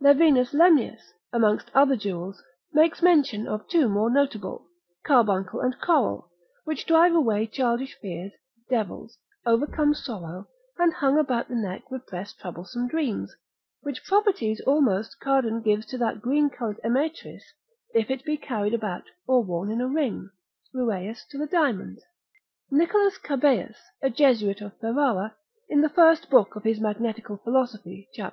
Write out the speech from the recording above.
Levinus Lemnius, Institui. ad vit. cap. 58. amongst other jewels, makes mention of two more notable; carbuncle and coral, which drive away childish fears, devils, overcome sorrow, and hung about the neck repress troublesome dreams, which properties almost Cardan gives to that green coloured emmetris if it be carried about, or worn in a ring; Rueus to the diamond. Nicholas Cabeus, a Jesuit of Ferrara, in the first book of his Magnetical Philosophy, cap.